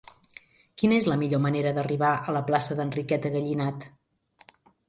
Quina és la millor manera d'arribar a la plaça d'Enriqueta Gallinat?